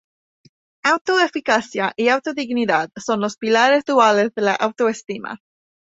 Auto eficacia y auto dignidad son los pilares duales de la autoestima.